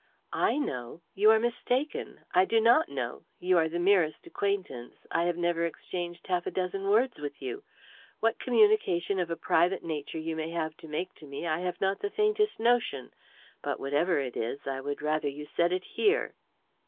"I know! You are mistaken. I do not know. You are the merest acquaintance; I have never exchanged half a dozen words with you. What communication of a private nature you may have to make to me, I have not the faintest notion, but, whatever it is, I would rather you said it here."